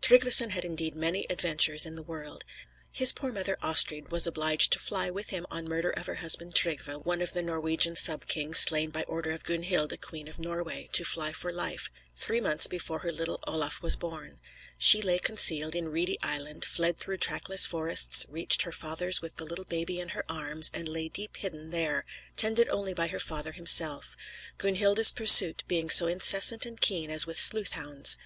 Tryggveson had indeed many adventures in the world. His poor mother, Astrid, was obliged to fly with him, on murder of her husband by Gunhild to fly for life, three months before her little Olaf was born. She lay concealed in reedy island, fled through trackless forests, reached her father's with the little baby in her arms, and lay deep hidden there; tended only by her father himself; Gunhild's pursuit being so incessant and keen as with sleuth hounds.